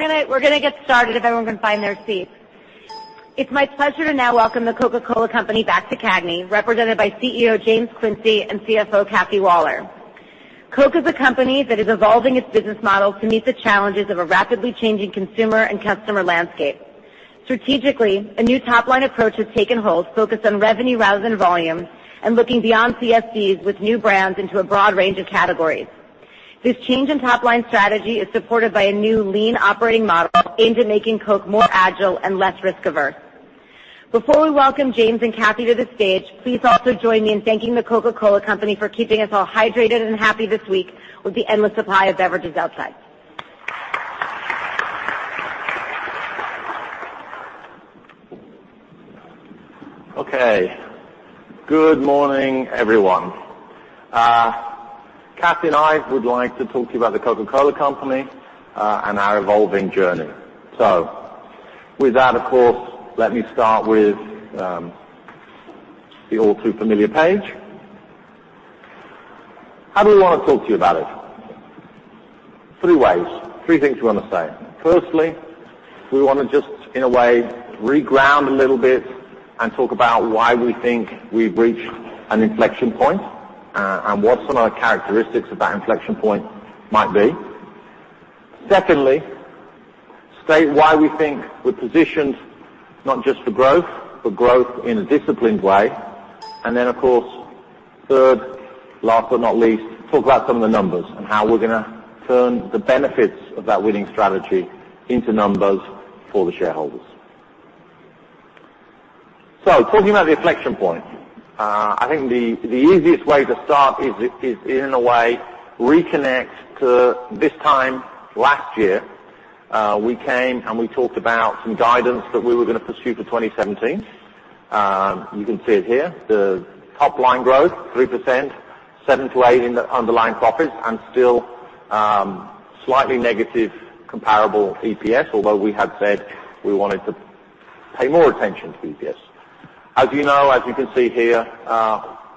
We're going to get started if everyone can find their seats. It's my pleasure to now welcome The Coca-Cola Company back to CAGNY, represented by CEO James Quincey and CFO Kathy Waller. Coke is a company that is evolving its business model to meet the challenges of a rapidly changing consumer and customer landscape. Strategically, a new top-line approach has taken hold, focused on revenue rather than volume, and looking beyond CSDs with new brands into a broad range of categories. This change in top-line strategy is supported by a new lean operating model aimed at making Coke more agile and less risk-averse. Before we welcome James and Kathy to the stage, please also join me in thanking The Coca-Cola Company for keeping us all hydrated and happy this week with the endless supply of beverages outside. Okay. Good morning, everyone. Kathy and I would like to talk to you about The Coca-Cola Company, and our evolving journey. With that, of course, let me start with the all too familiar page. How do we want to talk to you about it? Three ways. Three things we want to say. Firstly, we want to just, in a way, reground a little bit and talk about why we think we've reached an inflection point, and what some of the characteristics of that inflection point might be. Secondly, state why we think we're positioned not just for growth, but growth in a disciplined way. Then, of course, third, last but not least, talk about some of the numbers and how we're going to turn the benefits of that winning strategy into numbers for the shareholders. Talking about the inflection point, I think the easiest way to start is in a way, reconnect to this time last year. We came and we talked about some guidance that we were going to pursue for 2017. You can see it here, the top-line growth 3%, 7%-8% in the underlying profits, and still slightly negative comparable EPS, although we had said we wanted to pay more attention to EPS. As you know, as we can see here,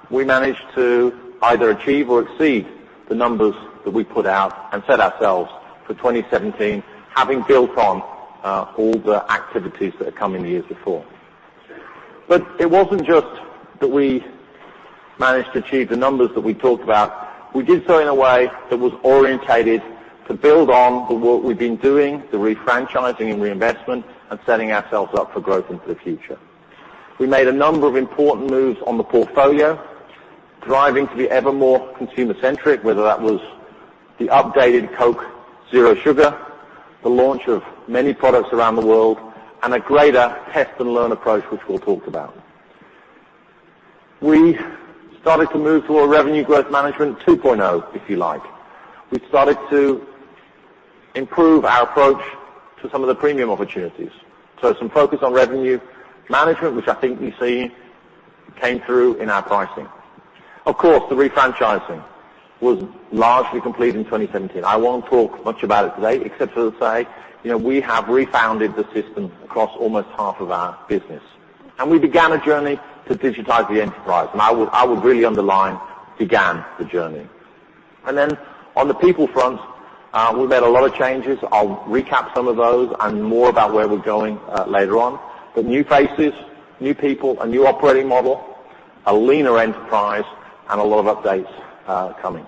we managed to either achieve or exceed the numbers that we put out and set ourselves for 2017, having built on all the activities that have come in the years before. It wasn't just that we managed to achieve the numbers that we talked about. We did so in a way that was orientated to build on what we've been doing, the refranchising and reinvestment, and setting ourselves up for growth into the future. We made a number of important moves on the portfolio, driving to be ever more consumer-centric, whether that was the updated Coke Zero Sugar, the launch of many products around the world, and a greater test-and-learn approach, which we'll talk about. We started to move toward revenue growth management 2.0, if you like. We started to improve our approach to some of the premium opportunities. Some focus on revenue management, which I think you see came through in our pricing. Of course, the refranchising was largely complete in 2017. I won't talk much about it today except for to say, we have refounded the system across almost half of our business. We began a journey to digitize the enterprise, I would really underline, began the journey. On the people front, we've made a lot of changes. I'll recap some of those and more about where we're going later on. New faces, new people, a new operating model, a leaner enterprise, and a lot of updates coming.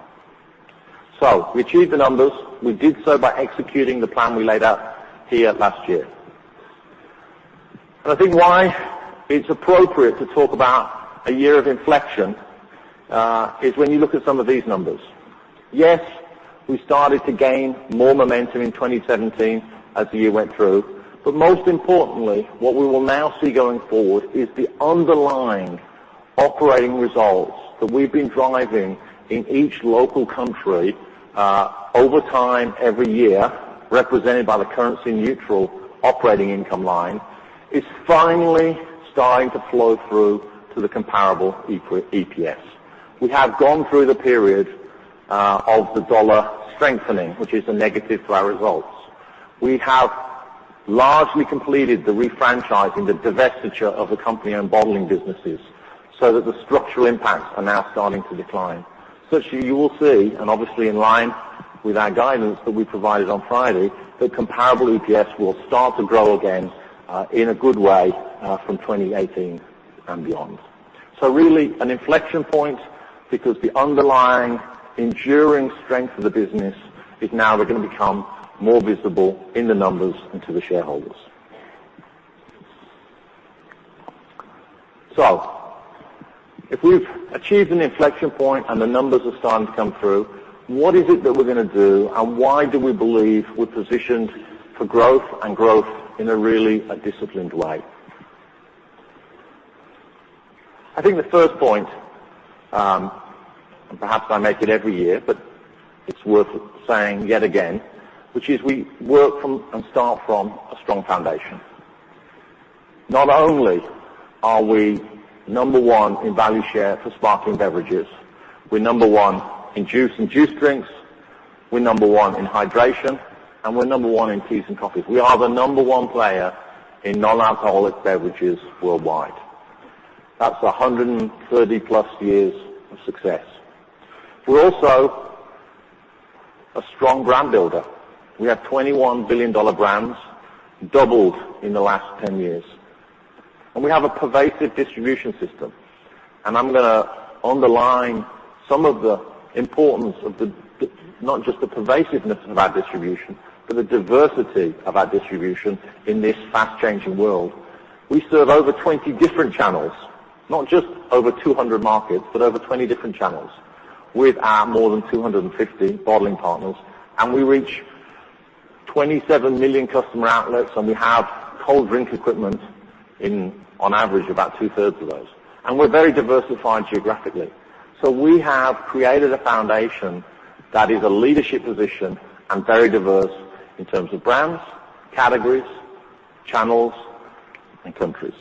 We achieved the numbers. We did so by executing the plan we laid out here last year. I think why it's appropriate to talk about a year of inflection, is when you look at some of these numbers. Yes, we started to gain more momentum in 2017 as the year went through. Most importantly, what we will now see going forward is the underlying operating results that we've been driving in each local country, over time, every year, represented by the currency neutral operating income line, is finally starting to flow through to the comparable EPS. We have gone through the period of the dollar strengthening, which is a negative to our results. We have largely completed the refranchising, the divestiture of the company-owned bottling businesses, so that the structural impacts are now starting to decline. Such that you will see, and obviously in line with our guidance that we provided on Friday, that comparable EPS will start to grow again, in a good way, from 2018 and beyond. Really an inflection point because the underlying enduring strength of the business is now going to become more visible in the numbers and to the shareholders. If we've achieved an inflection point and the numbers are starting to come through, what is it that we're going to do and why do we believe we're positioned for growth and growth in a really a disciplined way? I think the first point, perhaps I make it every year, but it's worth saying yet again, which is we work from and start from a strong foundation. Not only are we number one in value share for sparkling beverages, we're number one in juice and juice drinks, we're number one in hydration, and we're number one in teas and coffees. We are the number one player in non-alcoholic beverages worldwide. That's 130+ years of success. We're also a strong brand builder. We have $21 billion brands, doubled in the last 10 years. We have a pervasive distribution system. I'm going to underline some of the importance of not just the pervasiveness of our distribution, but the diversity of our distribution in this fast-changing world. We serve over 20 different channels, not just over 200 markets, but over 20 different channels with our more than 250 bottling partners, and we reach 27 million customer outlets, and we have cold drink equipment in, on average, about two-thirds of those. We're very diversified geographically. We have created a foundation that is a leadership position and very diverse in terms of brands, categories, channels, and countries.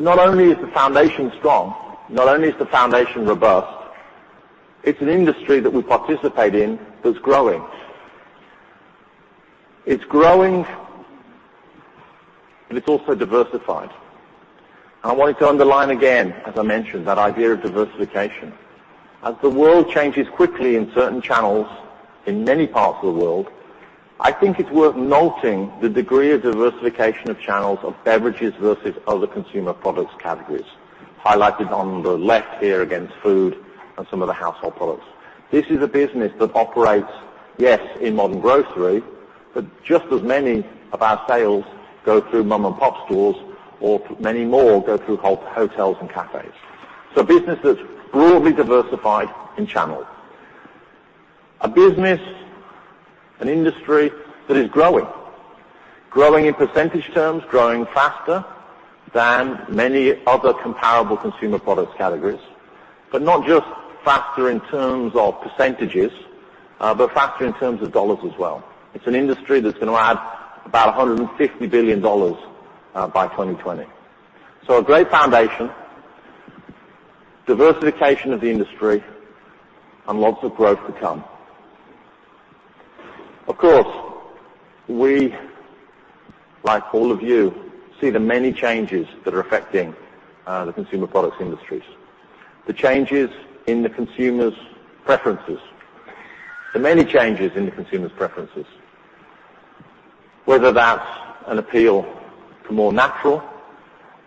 Not only is the foundation strong, not only is the foundation robust, it's an industry that we participate in that's growing. It's growing, and it's also diversified. I wanted to underline again, as I mentioned, that idea of diversification. As the world changes quickly in certain channels in many parts of the world, I think it's worth noting the degree of diversification of channels of beverages versus other consumer products categories, highlighted on the left here against food and some of the household products. This is a business that operates, yes, in modern grocery, but just as many of our sales go through mom-and-pop stores, or many more go through hotels and cafes. A business that's broadly diversified in channel. A business, an industry that is growing in percentage terms, growing faster than many other comparable consumer products categories, but not just faster in terms of percentages, but faster in terms of dollars as well. It's an industry that's going to add about $150 billion by 2020. A great foundation, diversification of the industry, and lots of growth to come. Of course, we, like all of you, see the many changes that are affecting the consumer products industries. The changes in the consumer's preferences. The many changes in the consumer's preferences, whether that's an appeal for more natural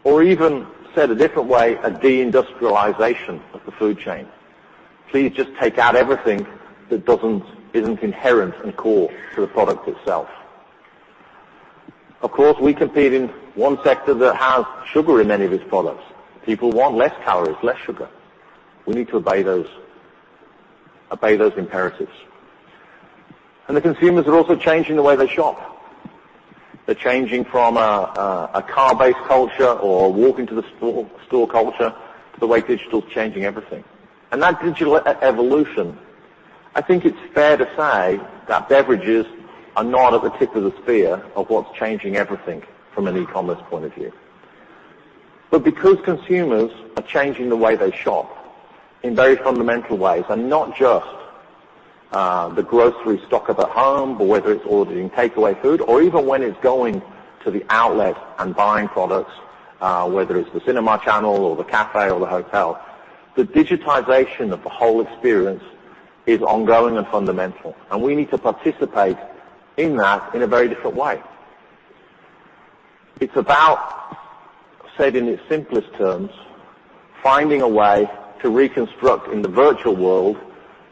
or even, said a different way, a de-industrialization of the food chain. Please just take out everything that isn't inherent and core to the product itself. Of course, we compete in one sector that has sugar in many of its products. People want less calories, less sugar. We need to obey those imperatives. The consumers are also changing the way they shop. They're changing from a car-based culture or a walk into the store culture to the way digital is changing everything. That digital evolution, I think it's fair to say that beverages are not at the tip of the spear of what's changing everything from an e-commerce point of view. Because consumers are changing the way they shop in very fundamental ways, and not just the grocery stock up at home, but whether it's ordering takeaway food or even when it's going to the outlet and buying products, whether it's the cinema channel or the cafe or the hotel, the digitization of the whole experience is ongoing and fundamental, and we need to participate in that in a very different way. It's about, said in its simplest terms, finding a way to reconstruct in the virtual world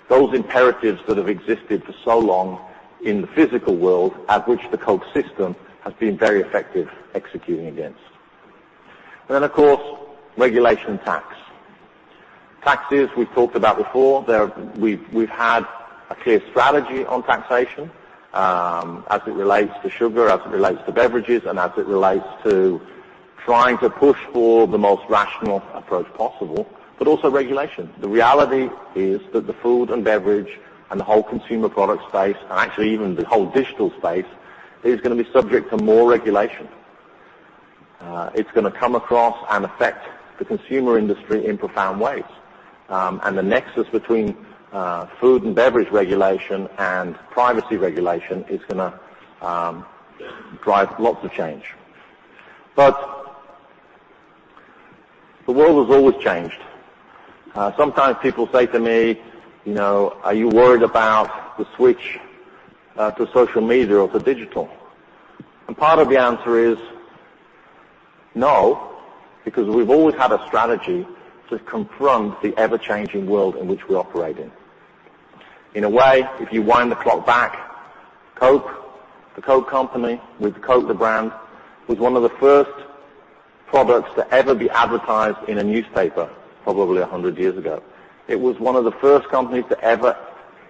those imperatives that have existed for so long in the physical world, at which the Coke system has been very effective executing against. Of course, regulation tax. Taxes, we've talked about before. We've had a clear strategy on taxation, as it relates to sugar, as it relates to beverages, and as it relates to trying to push for the most rational approach possible, but also regulation. The reality is that the food and beverage and the whole consumer product space, and actually even the whole digital space, is going to be subject to more regulation. It's going to come across and affect the consumer industry in profound ways. The nexus between food and beverage regulation and privacy regulation is going to drive lots of change. The world has always changed. Sometimes people say to me, "Are you worried about the switch to social media or to digital?" Part of the answer is no, because we've always had a strategy to confront the ever-changing world in which we operate in. In a way, if you wind the clock back, Coke, The Coke Company, with Coke, the brand, was one of the first products to ever be advertised in a newspaper, probably 100 years ago. It was one of the first companies to ever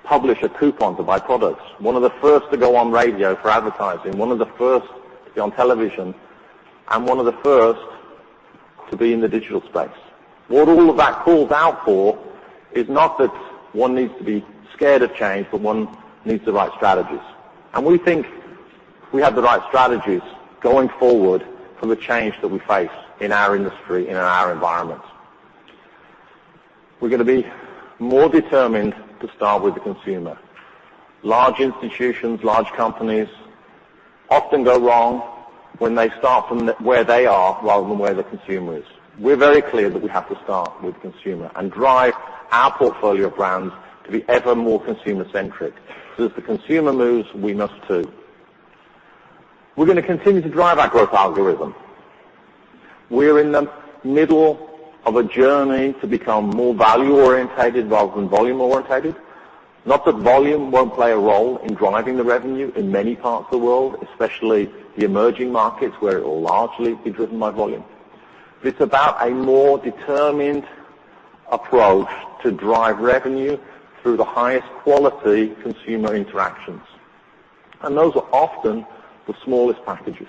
publish a coupon to buy products. One of the first to go on radio for advertising, one of the first to be on television, and one of the first to be in the digital space. What all of that calls out for is not that one needs to be scared of change, but one needs the right strategies. We think we have the right strategies going forward for the change that we face in our industry and in our environment. We're going to be more determined to start with the consumer. Large institutions, large companies often go wrong when they start from where they are rather than where the consumer is. We're very clear that we have to start with consumer and drive our portfolio of brands to be ever more consumer-centric. As the consumer moves, we must too. We're going to continue to drive our growth algorithm. We're in the middle of a journey to become more value-orientated rather than volume-orientated. Not that volume won't play a role in driving the revenue in many parts of the world, especially the emerging markets, where it will largely be driven by volume. It's about a more determined approach to drive revenue through the highest quality consumer interactions, and those are often the smallest packages.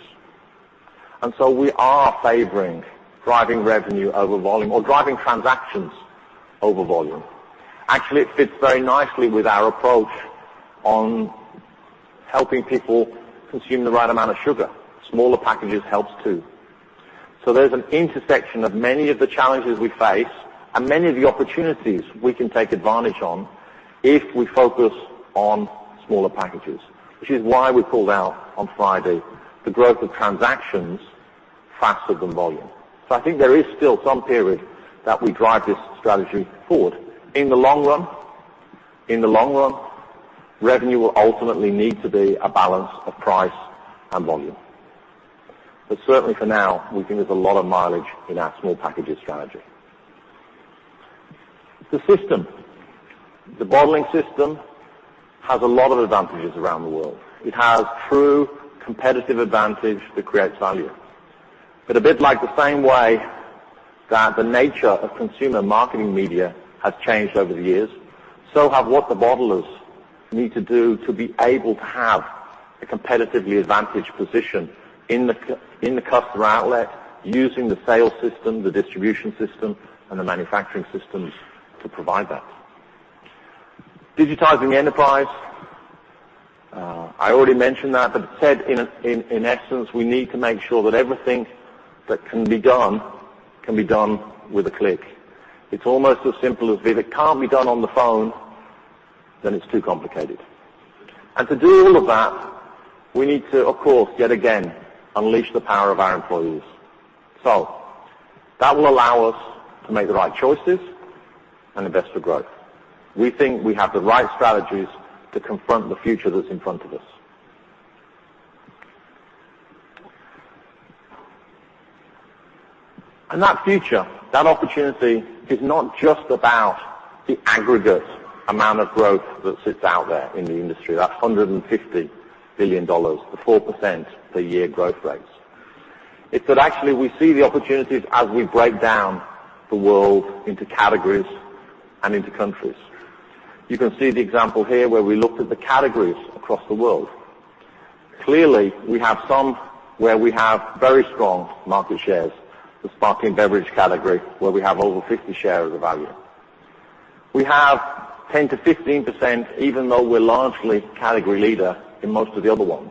We are favoring driving revenue over volume or driving transactions over volume. Actually, it fits very nicely with our approach on helping people consume the right amount of sugar. Smaller packages helps, too. There's an intersection of many of the challenges we face and many of the opportunities we can take advantage on if we focus on smaller packages, which is why we called out on Friday the growth of transactions faster than volume. I think there is still some period that we drive this strategy forward. In the long run, revenue will ultimately need to be a balance of price and volume. Certainly for now, we think there's a lot of mileage in our small packages strategy. The system, the bottling system, has a lot of advantages around the world. It has true competitive advantage that creates value. A bit like the same way that the nature of consumer marketing media has changed over the years, so have what the bottlers need to do to be able to have a competitively advantaged position in the customer outlet using the sales system, the distribution system, and the manufacturing systems to provide that. Digitizing the enterprise. I already mentioned that, but said in essence, we need to make sure that everything that can be done can be done with a click. It's almost as simple as if it can't be done on the phone, then it's too complicated. To do all of that, we need to, of course, yet again, unleash the power of our employees. That will allow us to make the right choices and invest for growth. We think we have the right strategies to confront the future that's in front of us. That future, that opportunity is not just about the aggregate amount of growth that sits out there in the industry, that $150 billion, the 4% per year growth rate. It's that actually we see the opportunities as we break down the world into categories and into countries. You can see the example here where we looked at the categories across the world. Clearly, we have some where we have very strong market shares, the sparkling beverage category, where we have over 50% share of the value. We have 10%-15%, even though we're largely category leader in most of the other ones.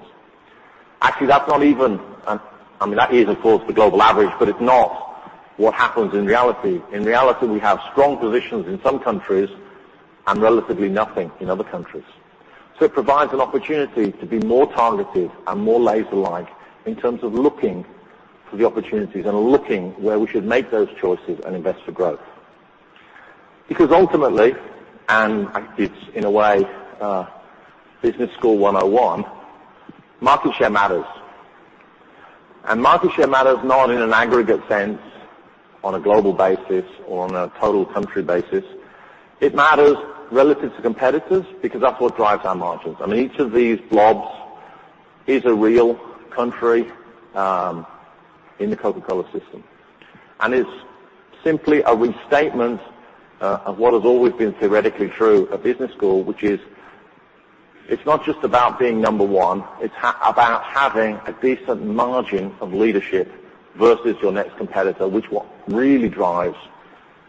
Actually, I mean, that is, of course, the global average, but it's not what happens in reality. In reality, we have strong positions in some countries and relatively nothing in other countries. It provides an opportunity to be more targeted and more laser-like in terms of looking for the opportunities and looking where we should make those choices and invest for growth. Ultimately, and it's in a way, business school 101, market share matters. Market share matters not in an aggregate sense on a global basis or on a total country basis. It matters relative to competitors because that's what drives our margins. I mean, each of these blobs is a real country in the Coca-Cola system. It's simply a restatement of what has always been theoretically true of business school, which is, it's not just about being number one, it's about having a decent margin of leadership versus your next competitor, which what really drives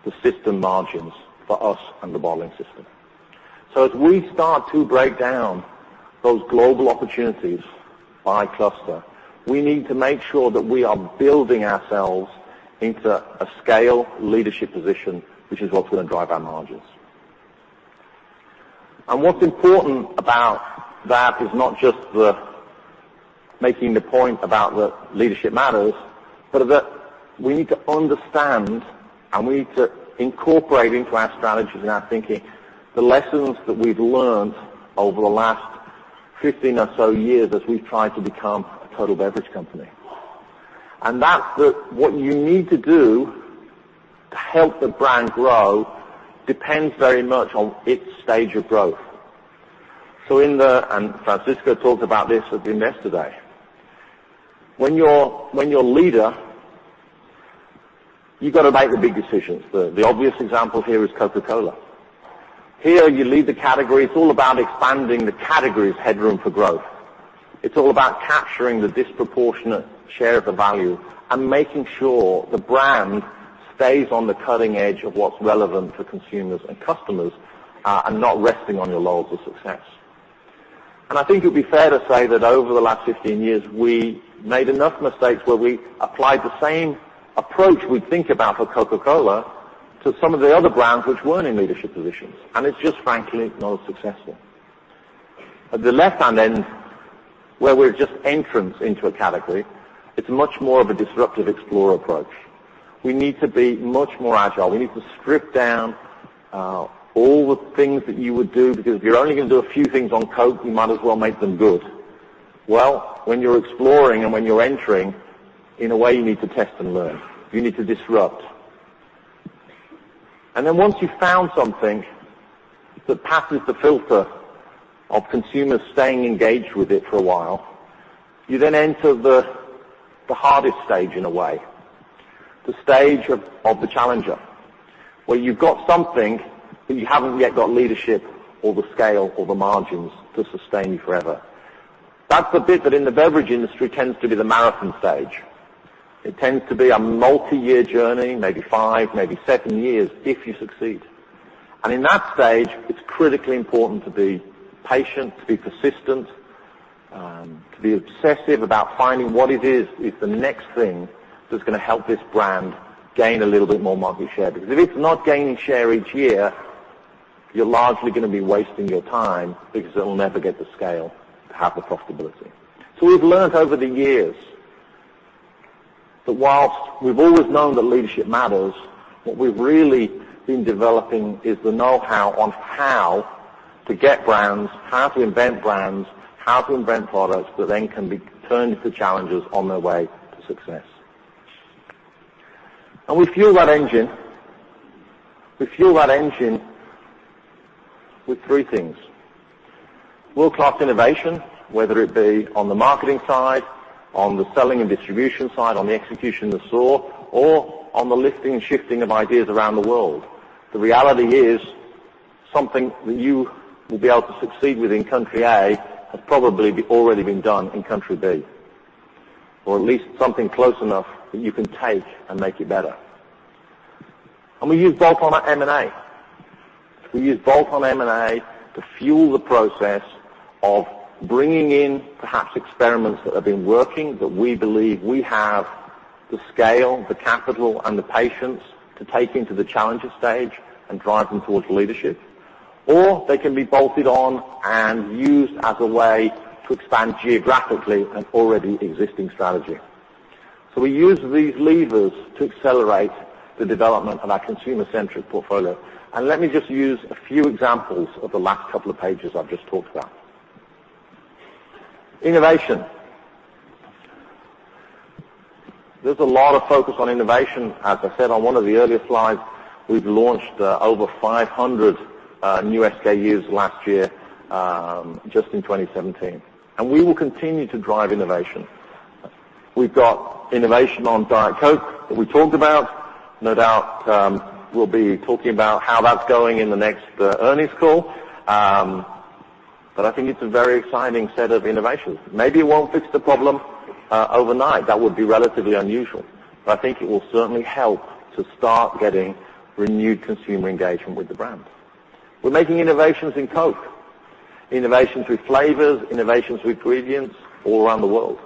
the system margins for us and the bottling system. As we start to break down those global opportunities by cluster, we need to make sure that we are building ourselves into a scale leadership position, which is what's going to drive our margins. What's important about that is not just the making the point about the leadership matters, but that we need to understand and we need to incorporate into our strategies and our thinking, the lessons that we've learned over the last 15 or so years as we've tried to become a total beverage company. That what you need to do to help the brand grow depends very much on its stage of growth. Francisco talked about this with you yesterday. When you're a leader, you got to make the big decisions. The obvious example here is Coca-Cola. Here, you lead the category. It's all about expanding the category's headroom for growth. It's all about capturing the disproportionate share of the value and making sure the brand stays on the cutting edge of what's relevant for consumers and customers, and not resting on your laurels of success. I think it would be fair to say that over the last 15 years, we made enough mistakes where we applied the same approach we'd think about for Coca-Cola to some of the other brands which weren't in leadership positions, and it's just frankly not successful. At the left-hand end, where we're just entrants into a category, it's much more of a disruptive explorer approach. We need to be much more agile. We need to strip down all the things that you would do, because if you're only going to do a few things on Coke, you might as well make them good. Well, when you're exploring and when you're entering, in a way, you need to test and learn. You need to disrupt. Once you've found something that passes the filter of consumers staying engaged with it for a while, you then enter the hardest stage in a way, the stage of the challenger, where you've got something, but you haven't yet got leadership or the scale or the margins to sustain you forever. That's the bit that in the beverage industry tends to be the marathon stage. It tends to be a multi-year journey, maybe five, maybe seven years, if you succeed. In that stage, it's critically important to be patient, to be persistent, to be obsessive about finding what it is the next thing that's going to help this brand gain a little bit more market share. If it's not gaining share each year, you're largely going to be wasting your time because it will never get the scale to have the profitability. We've learned over the years that whilst we've always known that leadership matters, what we've really been developing is the know-how on how to get brands, how to invent brands, how to invent products that then can be turned into challengers on their way to success. We fuel that engine with three things. World-class innovation, whether it be on the marketing side, on the selling and distribution side, on the execution in the store, or on the lifting and shifting of ideas around the world. The reality is, something that you will be able to succeed with in country A has probably already been done in country B, or at least something close enough that you can take and make it better. We use bolt-on M&A. We use bolt-on M&A to fuel the process of bringing in perhaps experiments that have been working, that we believe we have the scale, the capital, and the patience to take into the challenger stage and drive them towards leadership. They can be bolted on and used as a way to expand geographically an already existing strategy. We use these levers to accelerate the development of our consumer-centric portfolio. Let me just use a few examples of the last couple of pages I've just talked about. Innovation. There's a lot of focus on innovation. As I said on one of the earlier slides, we've launched over 500 new SKUs last year, just in 2017. We will continue to drive innovation. We've got innovation on Diet Coke that we talked about. No doubt we'll be talking about how that's going in the next earnings call. I think it's a very exciting set of innovations. Maybe it won't fix the problem overnight. That would be relatively unusual. I think it will certainly help to start getting renewed consumer engagement with the brand. We're making innovations in Coke, innovations with flavors, innovations with ingredients all around the world.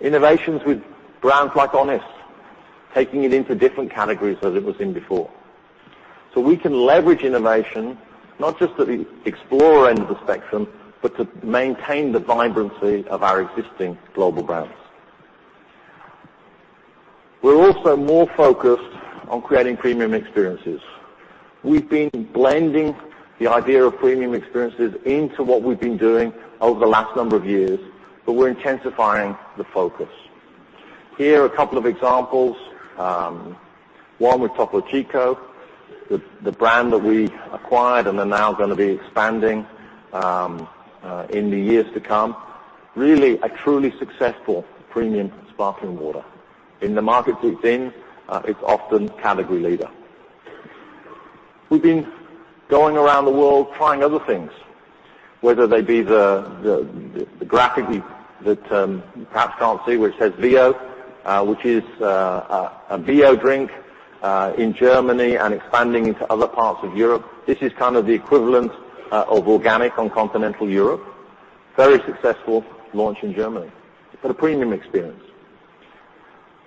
Innovations with brands like Honest, taking it into different categories than it was in before. We can leverage innovation, not just at the explorer end of the spectrum, but to maintain the vibrancy of our existing global brands. We're also more focused on creating premium experiences. We've been blending the idea of premium experiences into what we've been doing over the last number of years, but we're intensifying the focus. Here are a couple of examples. One with Topo Chico, the brand that we acquired and are now going to be expanding in the years to come. Really a truly successful premium sparkling water. In the markets it's in, it's often category leader. We've been going around the world trying other things, whether they be the graphic that you perhaps can't see, which says Vio, which is a bio drink in Germany and expanding into other parts of Europe. This is kind of the equivalent of organic on continental Europe. Very successful launch in Germany, but a premium experience.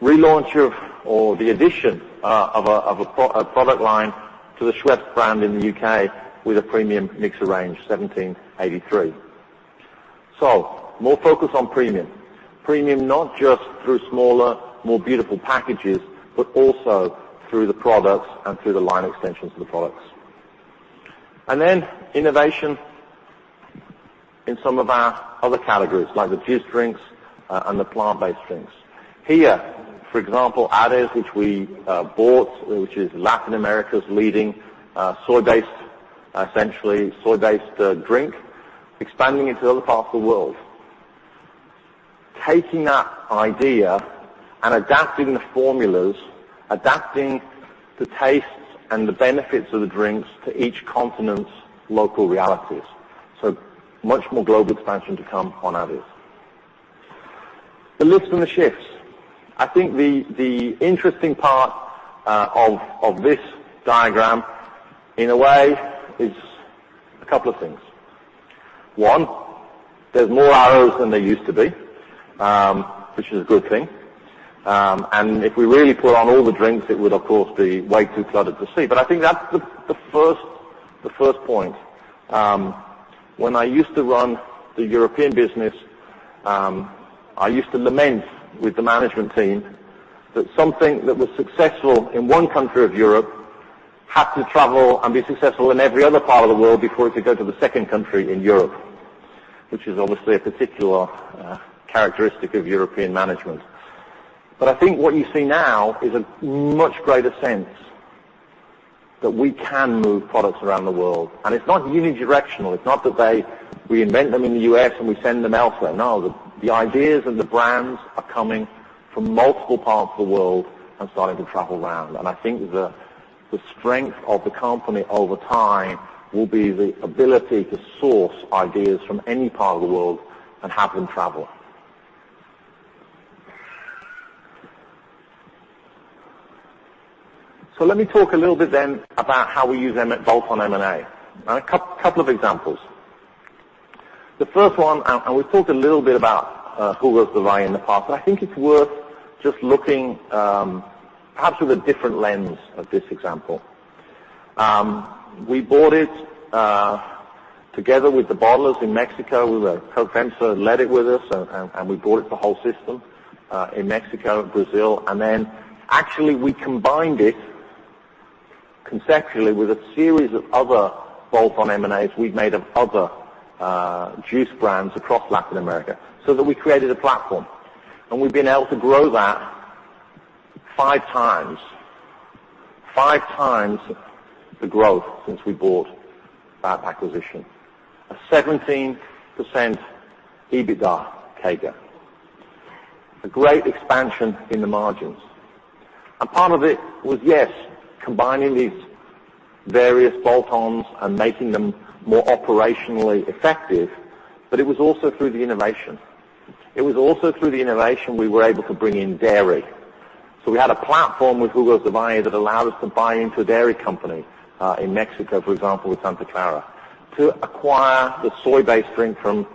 Relaunch of or the addition of a product line to the Schweppes brand in the U.K. with a premium mixer range, 1783. More focus on premium. Premium not just through smaller, more beautiful packages, but also through the products and through the line extensions of the products. Innovation in some of our other categories, like the juice drinks and the plant-based drinks. Here, for example, AdeS, which we bought, which is Latin America's leading soy-based, essentially soy-based drink, expanding into other parts of the world. Taking that idea and adapting the formulas, adapting the tastes and the benefits of the drinks to each continent's local realities. Much more global expansion to come on AdeS. The lifts and the shifts. I think the interesting part of this diagram, in a way, is a couple of things. One, there's more arrows than there used to be, which is a good thing. If we really put on all the drinks, it would, of course, be way too cluttered to see. I think that's the first point. When I used to run the European business, I used to lament with the management team that something that was successful in one country of Europe had to travel and be successful in every other part of the world before it could go to the second country in Europe, which is obviously a particular characteristic of European management. I think what you see now is a much greater sense that we can move products around the world, and it's not unidirectional. It's not that we invent them in the U.S., and we send them elsewhere. The ideas and the brands are coming from multiple parts of the world and starting to travel around. I think the strength of the company over time will be the ability to source ideas from any part of the world and have them travel. Let me talk a little bit then about how we use them at bolt-on M&A. A couple of examples. The first one, and we've talked a little bit about Jugos del Valle in the past, I think it's worth just looking, perhaps with a different lens of this example. We bought it, together with the bottlers in Mexico, with Coca-Cola FEMSA led it with us, and we bought it, the whole system, in Mexico and Brazil. Actually we combined it conceptually with a series of other bolt-on M&As we'd made of other juice brands across Latin America so that we created a platform, and we've been able to grow that five times. Five times the growth since we bought that acquisition. A 17% EBITDA CAGR. A great expansion in the margins. Part of it was, yes, combining these various bolt-ons and making them more operationally effective, but it was also through the innovation. It was also through the innovation we were able to bring in dairy. We had a platform with Jugos del Valle that allowed us to buy into a dairy company, in Mexico, for example, with Santa Clara, to acquire the soy-based drink in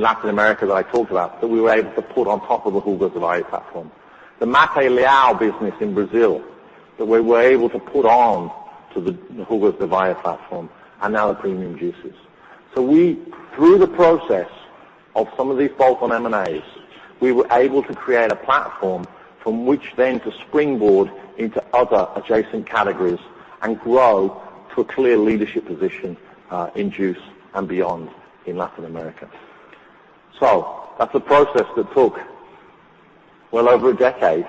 Latin America that I talked about, that we were able to put on top of the Jugos del Valle platform. The Matte Leão business in Brazil that we were able to put on to the Jugos del Valle platform, now the premium juices. We, through the process of some of these bolt-on M&As, we were able to create a platform from which then to springboard into other adjacent categories and grow to a clear leadership position, in juice and beyond in Latin America. That's a process that took well over a decade,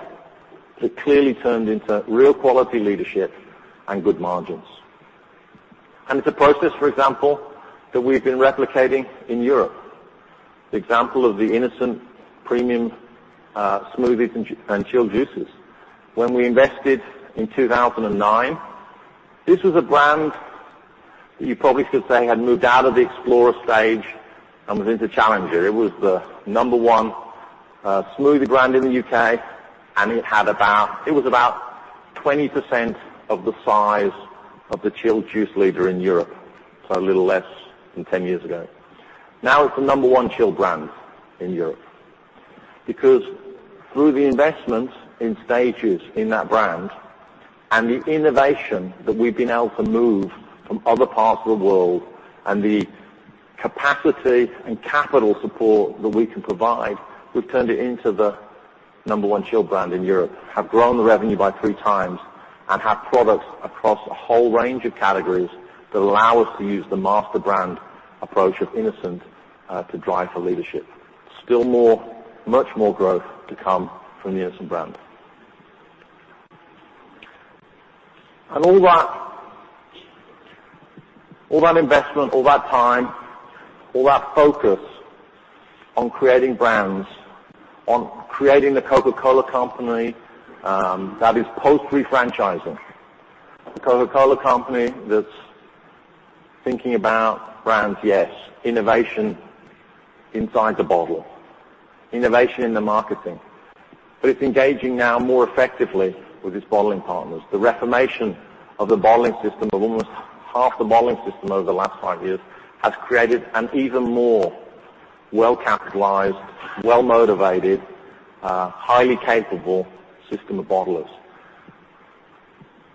that clearly turned into real quality leadership and good margins. It's a process, for example, that we've been replicating in Europe. The example of the innocent premium smoothies and chilled juices. When we invested in 2009, this was a brand that you probably could say had moved out of the explorer stage and was into challenger. It was the number one smoothie brand in the U.K., and it was about 20% of the size of the chilled juice leader in Europe, a little less than 10 years ago. Now it's the number one chilled brand in Europe. Through the investments in stages in that brand and the innovation that we've been able to move from other parts of the world and the capacity and capital support that we can provide, we've turned it into the number one chilled brand in Europe, have grown the revenue by three times, and have products across a whole range of categories that allow us to use the master brand approach of innocent, to drive for leadership. Still more, much more growth to come from the innocent brand. All that investment, all that time, all that focus on creating brands, on creating The Coca-Cola Company, that is post refranchising. The Coca-Cola Company that's thinking about brands, yes, innovation inside the bottle, innovation in the marketing. It's engaging now more effectively with its bottling partners. The reformation of the bottling system, of almost half the bottling system over the last five years, has created an even more well-capitalized, well-motivated, highly capable system of bottlers.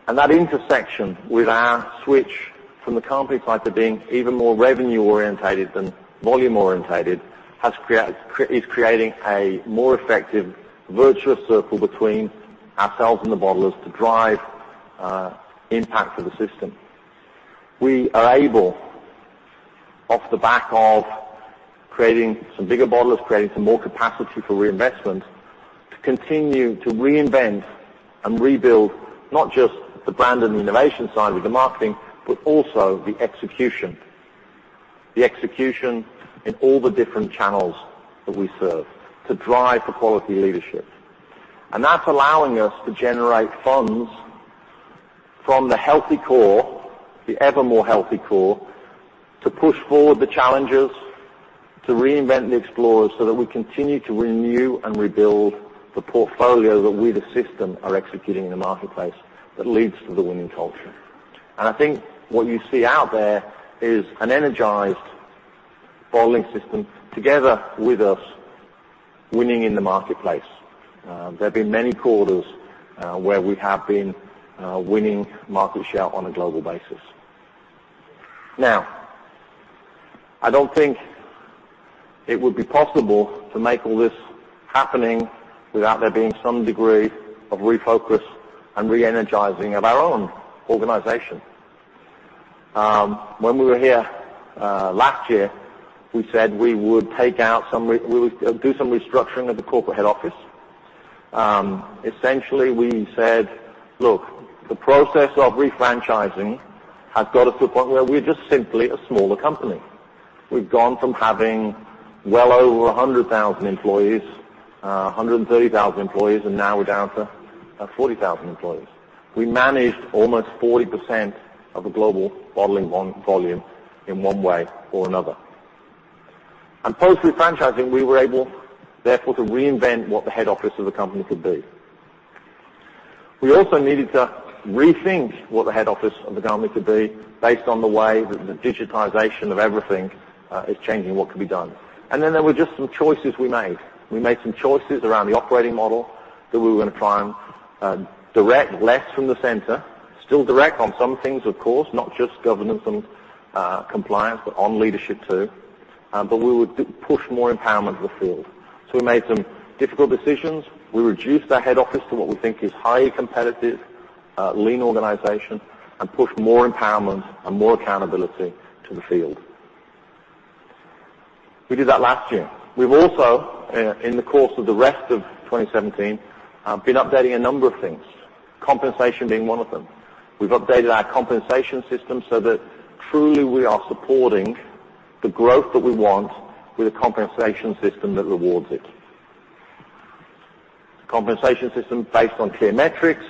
That intersection with our switch from the company trying to being even more revenue-oriented than volume-oriented is creating a more effective virtuous circle between ourselves and the bottlers to drive impact for the system. We are able, off the back of creating some bigger bottlers, creating some more capacity for reinvestment, to continue to reinvent and rebuild not just the brand and the innovation side with the marketing, but also the execution. The execution in all the different channels that we serve to drive for quality leadership. That's allowing us to generate funds from the healthy core, the ever more healthy core, to push forward the challengers, to reinvent the explorers, so that we continue to renew and rebuild the portfolio that we, the system, are executing in the marketplace that leads to the winning culture. I think what you see out there is an energized bottling system together with us winning in the marketplace. There have been many quarters where we have been winning market share on a global basis. I don't think it would be possible to make all this happening without there being some degree of refocus and re-energizing of our own organization. When we were here last year, we said we would do some restructuring of the corporate head office. Essentially, we said, look, the process of refranchising has got us to a point where we're just simply a smaller company. We've gone from having well over 100,000 employees, 130,000 employees, now we're down to 40,000 employees. We managed almost 40% of the global bottling volume in one way or another. Post refranchising, we were able, therefore, to reinvent what the head office of the company could be. We also needed to rethink what the head office of the company could be based on the way that the digitization of everything is changing what could be done. There were just some choices we made. We made some choices around the operating model that we were going to try and direct less from the center. Still direct on some things, of course, not just governance and compliance, but on leadership too. We would push more empowerment to the field. We made some difficult decisions. We reduced our head office to what we think is highly competitive, lean organization and push more empowerment and more accountability to the field. We did that last year. We've also, in the course of the rest of 2017, been updating a number of things, compensation being one of them. We've updated our compensation system so that truly we are supporting the growth that we want with a compensation system that rewards it. Compensation system based on clear metrics,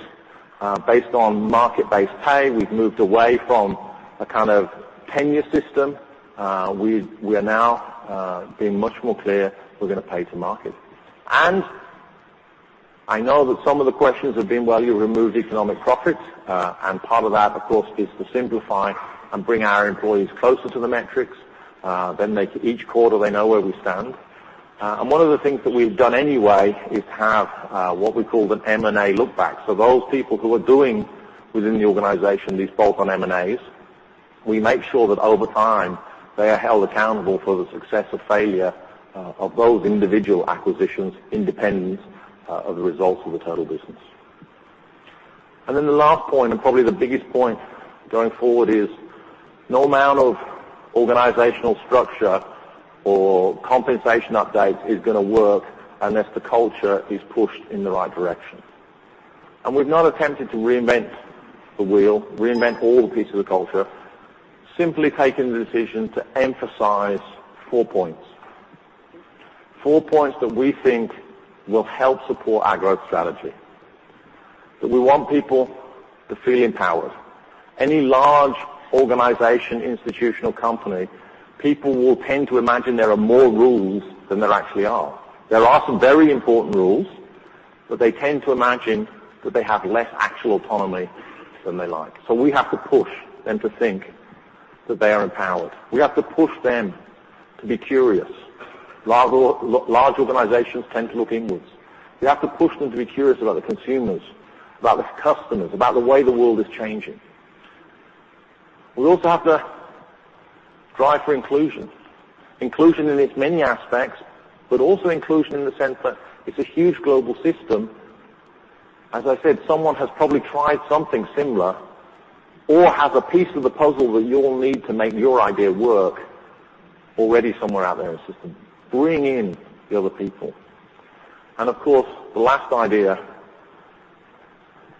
based on market-based pay. We've moved away from a kind of tenure system. We are now being much more clear we're going to pay to market. I know that some of the questions have been, well, you removed economic profits, part of that, of course, is to simplify and bring our employees closer to the metrics. Make each quarter they know where we stand. One of the things that we've done anyway is have what we call an M&A look back. Those people who are doing within the organization, these bolt-on M&As, we make sure that over time, they are held accountable for the success or failure of those individual acquisitions, independent of the results of the total business. The last point, probably the biggest point going forward is no amount of organizational structure or compensation updates is going to work unless the culture is pushed in the right direction. We've not attempted to reinvent the wheel, reinvent all the pieces of culture, simply taken the decision to emphasize four points. Four points that we think will help support our growth strategy. That we want people to feel empowered. Any large organization, institutional company, people will tend to imagine there are more rules than there actually are. There are some very important rules, but they tend to imagine that they have less actual autonomy than they like. We have to push them to think that they are empowered. We have to push them to be curious. Large organizations tend to look inwards. We have to push them to be curious about the consumers, about the customers, about the way the world is changing. We also have to drive for inclusion. Inclusion in its many aspects, but also inclusion in the sense that it's a huge global system. As I said, someone has probably tried something similar or has a piece of the puzzle that you'll need to make your idea work already somewhere out there in the system. Bring in the other people. Of course, the last idea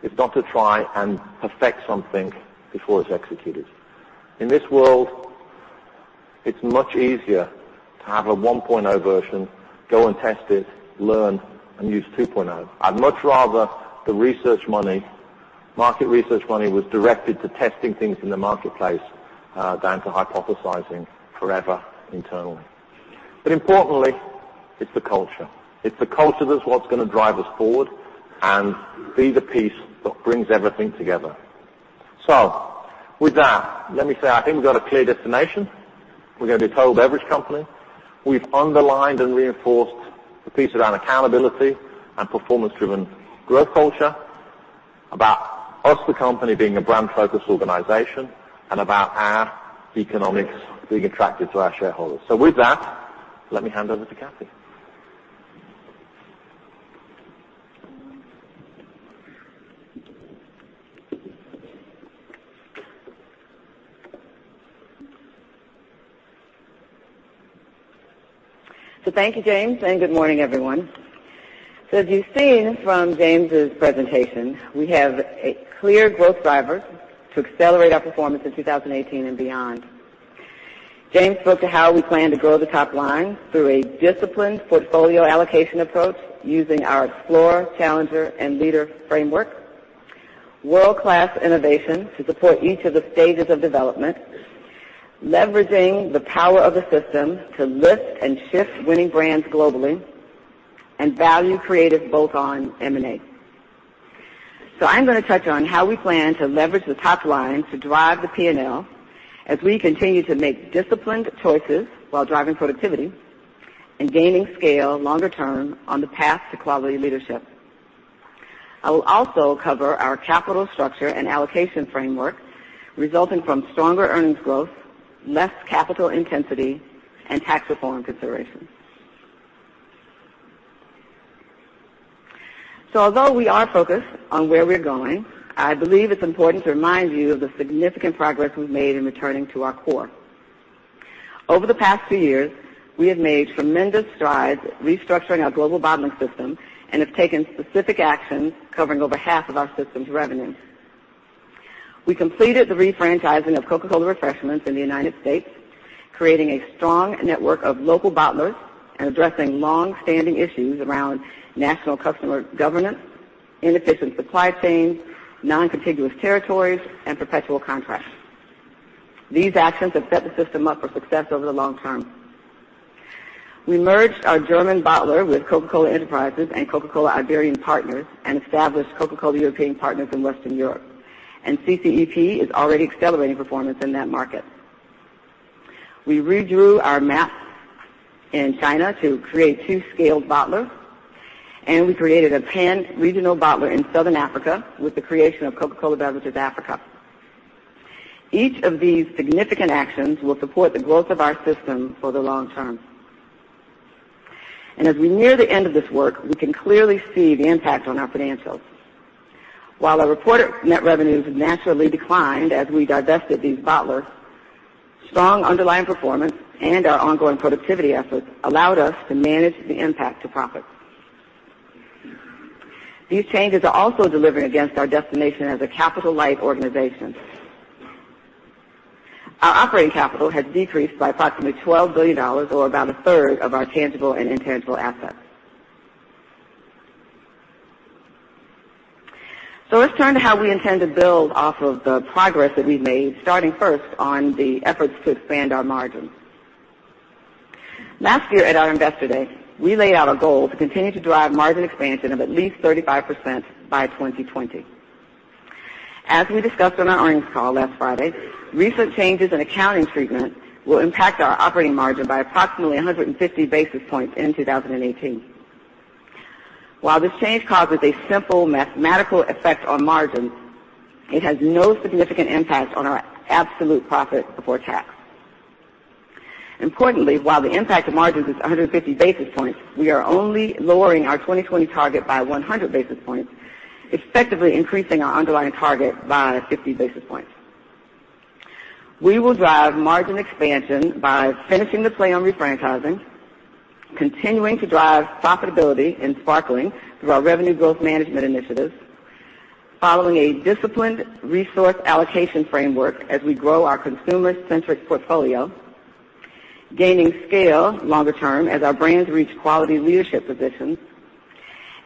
is not to try and perfect something before it's executed. In this world, it's much easier to have a 1.0 version, go and test it, learn, and use 2.0. I'd much rather the market research money was directed to testing things in the marketplace, than to hypothesizing forever internally. Importantly, it's the culture. It's the culture that's what's going to drive us forward and be the piece that brings everything together. With that, let me say I think we've got a clear destination. We're going to be a total beverage company. We've underlined and reinforced the piece around accountability and performance-driven growth culture, about us, the company, being a brand-focused organization, and about our economics being attractive to our shareholders. With that, let me hand over to Kathy. Thank you, James, and good morning, everyone. As you've seen from James' presentation, we have clear growth drivers to accelerate our performance in 2018 and beyond. James spoke to how we plan to grow the top line through a disciplined portfolio allocation approach using our Explore, Challenger, and Leader framework. World-class innovation to support each of the stages of development, leveraging the power of the system to lift and shift winning brands globally, and value created both on M&A. I'm going to touch on how we plan to leverage the top line to drive the P&L as we continue to make disciplined choices while driving productivity and gaining scale longer term on the path to quality leadership. I will also cover our capital structure and allocation framework resulting from stronger earnings growth, less capital intensity, and tax reform considerations. Although we are focused on where we're going, I believe it's important to remind you of the significant progress we've made in returning to our core. Over the past two years, we have made tremendous strides restructuring our global bottling system and have taken specific actions covering over half of our system's revenue. We completed the refranchising of Coca-Cola Refreshments in the U.S., creating a strong network of local bottlers and addressing long-standing issues around national customer governance, inefficient supply chains, non-contiguous territories, and perpetual contracts. These actions have set the system up for success over the long term. We merged our German bottler with Coca-Cola Enterprises and Coca-Cola Iberian Partners and established Coca-Cola European Partners in Western Europe. CCEP is already accelerating performance in that market. We redrew our map in China to create two scaled bottlers, and we created a pan-regional bottler in Southern Africa with the creation of Coca-Cola Beverages Africa. Each of these significant actions will support the growth of our system for the long term. As we near the end of this work, we can clearly see the impact on our financials. While our reported net revenues naturally declined as we divested these bottlers, strong underlying performance and our ongoing productivity efforts allowed us to manage the impact to profits. These changes are also delivering against our destination as a capital-light organization. Our operating capital has decreased by approximately $12 billion, or about a third of our tangible and intangible assets. Let's turn to how we intend to build off of the progress that we've made, starting first on the efforts to expand our margins. Last year at our Investor Day, we laid out a goal to continue to drive margin expansion of at least 35% by 2020. As we discussed on our earnings call last Friday, recent changes in accounting treatment will impact our operating margin by approximately 150 basis points in 2018. While this change causes a simple mathematical effect on margins, it has no significant impact on our absolute profit before tax. Importantly, while the impact to margins is 150 basis points, we are only lowering our 2020 target by 100 basis points, effectively increasing our underlying target by 50 basis points. We will drive margin expansion by finishing the play on refranchising, continuing to drive profitability in sparkling through our revenue growth management initiatives, following a disciplined resource allocation framework as we grow our consumer-centric portfolio, gaining scale longer term as our brands reach quality leadership positions.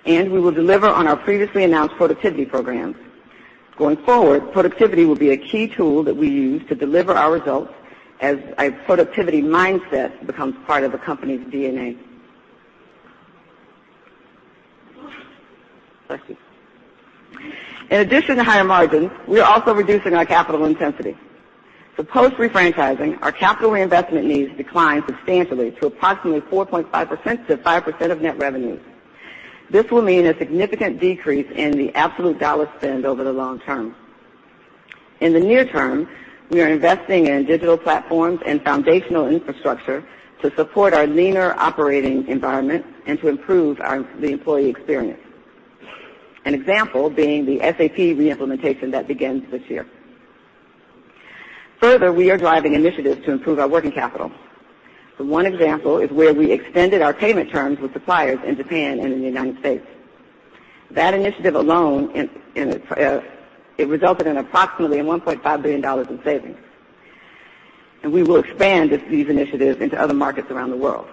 We will deliver on our previously announced productivity programs. Going forward, productivity will be a key tool that we use to deliver our results as a productivity mindset becomes part of the company's DNA. Thank you. In addition to higher margins, we are also reducing our capital intensity. Post refranchising, our capital reinvestment needs declined substantially to approximately 4.5%-5% of net revenues. This will mean a significant decrease in the absolute $ spend over the long term. In the near term, we are investing in digital platforms and foundational infrastructure to support our leaner operating environment and to improve the employee experience. An example being the SAP re-implementation that begins this year. Further, we are driving initiatives to improve our working capital. One example is where we extended our payment terms with suppliers in Japan and in the U.S. That initiative alone, it resulted in approximately $1.5 billion in savings. We will expand these initiatives into other markets around the world.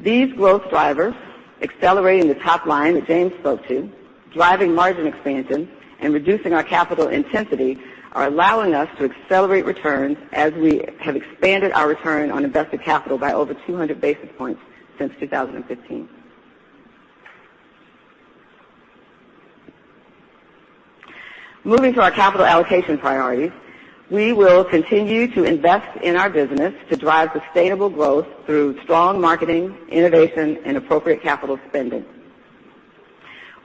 These growth drivers, accelerating the top line that James spoke to, driving margin expansion, and reducing our capital intensity, are allowing us to accelerate returns as we have expanded our return on invested capital by over 200 basis points since 2015. Moving to our capital allocation priorities, we will continue to invest in our business to drive sustainable growth through strong marketing, innovation, and appropriate capital spending.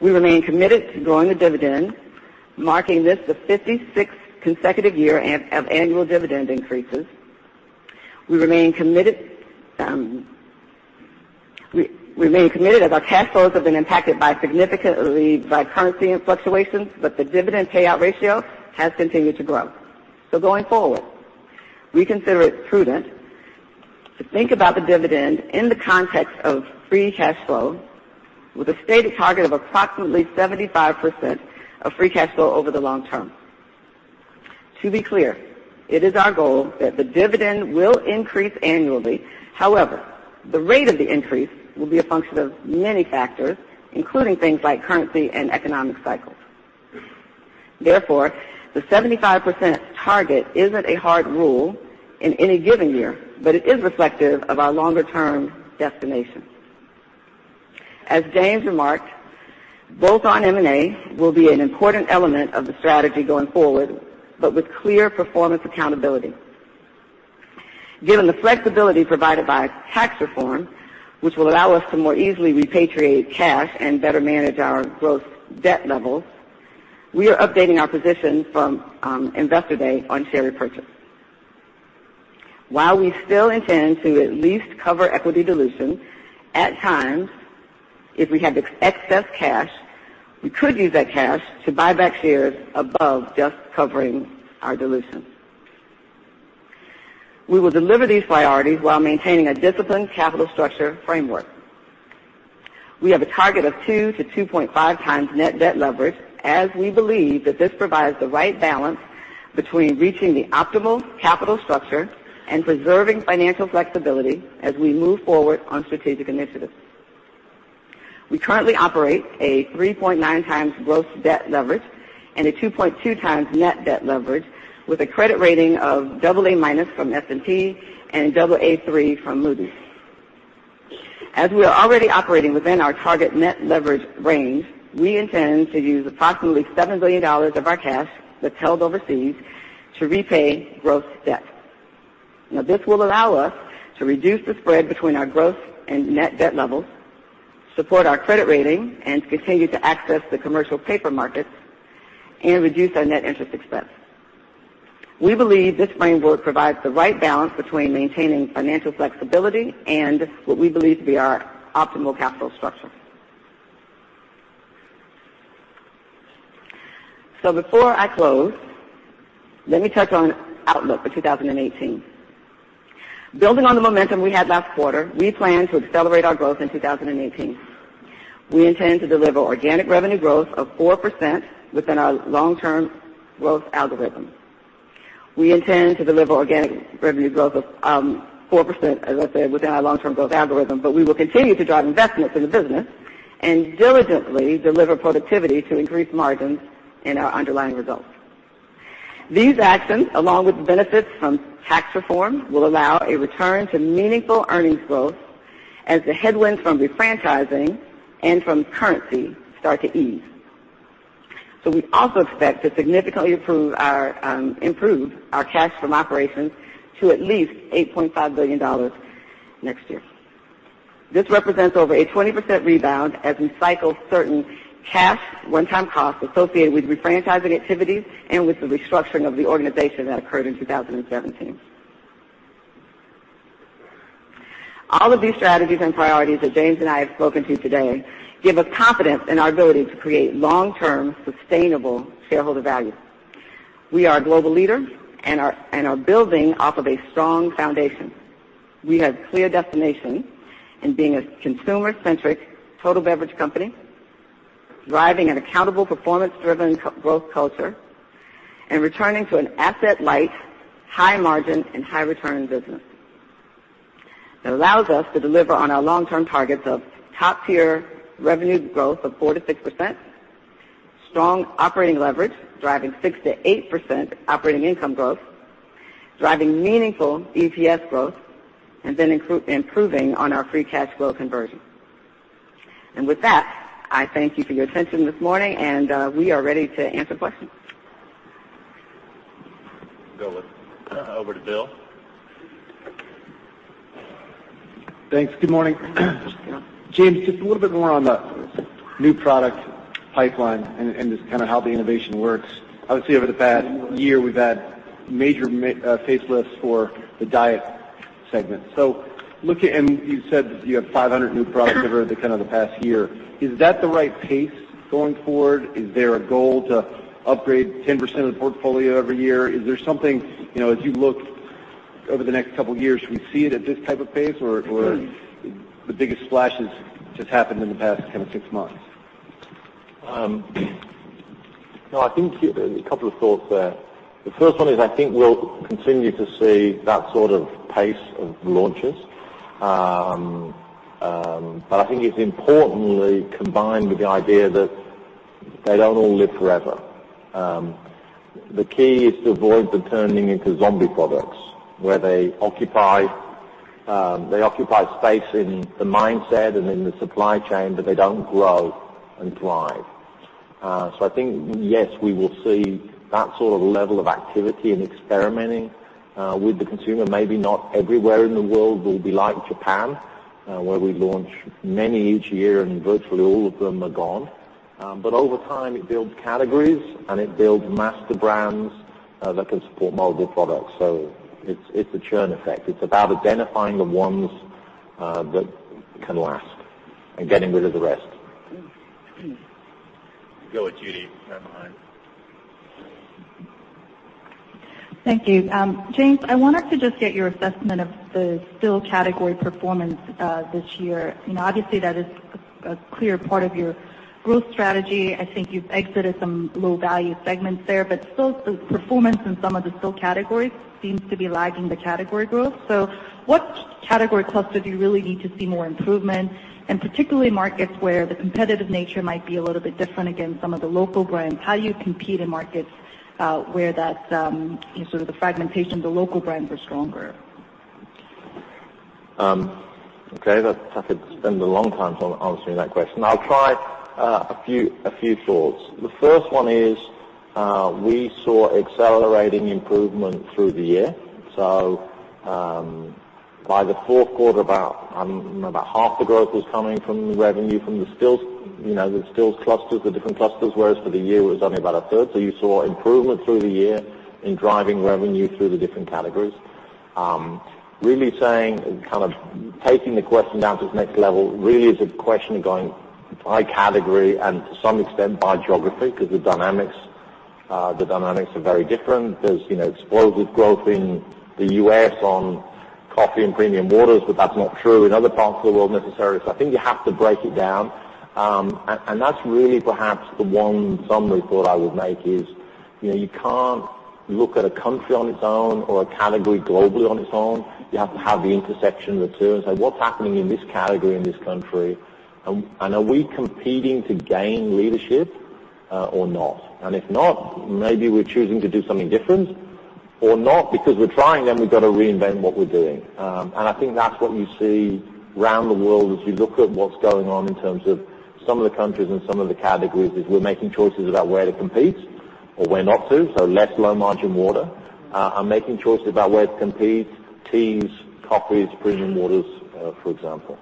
We remain committed to growing the dividend, marking this the 56th consecutive year of annual dividend increases. We remain committed as our cash flows have been impacted significantly by currency fluctuations, the dividend payout ratio has continued to grow. Going forward, we consider it prudent to think about the dividend in the context of free cash flow with a stated target of approximately 75% of free cash flow over the long term. To be clear, it is our goal that the dividend will increase annually. However, the rate of the increase will be a function of many factors, including things like currency and economic cycles. Therefore, the 75% target isn't a hard rule in any given year, but it is reflective of our longer-term destination. As James remarked, bolt-on M&A will be an important element of the strategy going forward, but with clear performance accountability. Given the flexibility provided by tax reform, which will allow us to more easily repatriate cash and better manage our growth debt levels, we are updating our position from Investor Day on share repurchase. While we still intend to at least cover equity dilution, at times, if we have excess cash, we could use that cash to buy back shares above just covering our dilution. We will deliver these priorities while maintaining a disciplined capital structure framework. We have a target of 2-2.5 times net debt leverage, as we believe that this provides the right balance between reaching the optimal capital structure and preserving financial flexibility as we move forward on strategic initiatives. We currently operate a 3.9 times gross debt leverage and a 2.2 times net debt leverage with a credit rating of AA- from S&P and Aa3 from Moody's. As we are already operating within our target net leverage range, we intend to use approximately $7 billion of our cash that's held overseas to repay growth debt. This will allow us to reduce the spread between our growth and net debt levels, support our credit rating, continue to access the commercial paper markets, and reduce our net interest expense. We believe this framework provides the right balance between maintaining financial flexibility and what we believe to be our optimal capital structure. Before I close, let me touch on outlook for 2018. Building on the momentum we had last quarter, we plan to accelerate our growth in 2018. We intend to deliver organic revenue growth of 4% within our long-term growth algorithm. We intend to deliver organic revenue growth of 4%, as I said, within our long-term growth algorithm. We will continue to drive investment in the business and diligently deliver productivity to increase margins in our underlying results. These actions, along with the benefits from tax reform, will allow a return to meaningful earnings growth as the headwinds from refranchising and from currency start to ease. We also expect to significantly improve our cash from operations to at least $8.5 billion next year. This represents over a 20% rebound as we cycle certain cash one-time costs associated with refranchising activities and with the restructuring of the organization that occurred in 2017. All of these strategies and priorities that James and I have spoken to today give us confidence in our ability to create long-term, sustainable shareholder value. We are a global leader, and are building off of a strong foundation. We have clear destination in being a consumer-centric total beverage company, driving an accountable performance-driven growth culture, and returning to an asset-light, high margin, and high return business that allows us to deliver on our long-term targets of top-tier revenue growth of 4%-6%, strong operating leverage, driving 6%-8% operating income growth, driving meaningful EPS growth, improving on our free cash flow conversion. With that, I thank you for your attention this morning, and we are ready to answer questions. Over to Bill. Thanks. Good morning. James, just a little bit more on the new product pipeline and just how the innovation works. Obviously, over the past year, we've had major facelifts for the diet segment. You said you have 500 new products over the past year. Is that the right pace going forward? Is there a goal to upgrade 10% of the portfolio every year? Is there something, as you look over the next couple of years, we see it at this type of pace? Or- Sure The biggest splashes just happened in the past six months? No. I think a couple of thoughts there. The first one is, I think we'll continue to see that sort of pace of launches. I think it's importantly combined with the idea that they don't all live forever. The key is to avoid them turning into zombie products, where they occupy space in the mindset and in the supply chain, but they don't grow and thrive. I think, yes, we will see that sort of level of activity and experimenting with the consumer. Maybe not everywhere in the world will be like Japan, where we launch many each year and virtually all of them are gone. Over time, it builds categories, and it builds master brands that can support multiple products. It's a churn effect. It's about identifying the ones that can last and getting rid of the rest. Go with Judy. Never mind. Thank you. James, I wanted to just get your assessment of the still category performance this year. Obviously, that is a clear part of your growth strategy. I think you've exited some low-value segments there, still, the performance in some of the still categories seems to be lagging the category growth. What category clusters you really need to see more improvement, and particularly markets where the competitive nature might be a little bit different against some of the local brands. How do you compete in markets where the fragmentation of the local brands are stronger? Okay. I could spend a long time answering that question. I'll try a few thoughts. The first one is, we saw accelerating improvement through the year. By the fourth quarter, about half the growth was coming from the revenue from the stills clusters, the different clusters, whereas for the year, it was only about a third. You saw improvement through the year in driving revenue through the different categories. Really saying, taking the question down to the next level, really is a question of going by category and to some extent, by geography, because the dynamics are very different. There's explosive growth in the U.S. on coffee and premium waters, but that's not true in other parts of the world necessarily. I think you have to break it down. That's really perhaps the one summary thought I would make is, you can't look at a country on its own or a category globally on its own. You have to have the intersection of the two and say, what's happening in this category in this country, and are we competing to gain leadership or not? If not, maybe we're choosing to do something different or not because we're trying, then we've got to reinvent what we're doing. I think that's what you see around the world as you look at what's going on in terms of some of the countries and some of the categories, is we're making choices about where to compete or where not to. Less low-margin water. I'm making choices about where to compete, teas, coffees, premium waters, for example.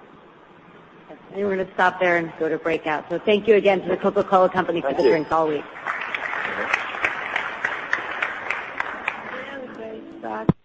Okay. We're going to stop there and go to breakout. Thank you again to The Coca-Cola Company for the drinks all week. Okay. Stop.